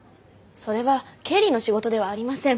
それは経理の仕事ではありません。